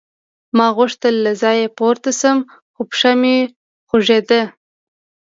ما غوښتل له ځایه پورته شم خو پښه مې خوږېده